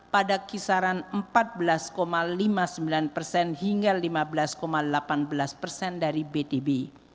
pada kisaran empat belas lima puluh sembilan persen hingga lima belas delapan belas persen dari btb